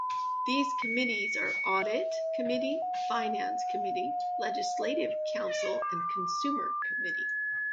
These committees are Audit Committee, Finance Committee, Legislative Council, and Consumer Committee.